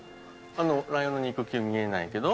ライオンの肉球見えないけど。